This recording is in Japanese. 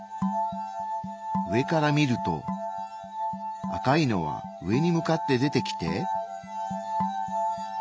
上から見ると赤いのは上に向かって出てきて。